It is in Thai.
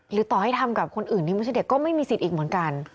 ต่อให้ทำกับคนอื่นที่ไม่ใช่เด็กก็ไม่มีสิทธิ์อีกเหมือนกัน